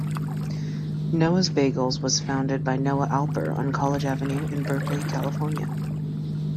Noah's Bagels was founded by Noah Alper on College Avenue in Berkeley, California.